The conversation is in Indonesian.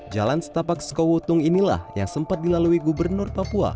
jalan setapak skowutung inilah yang sempat dilalui gubernur papua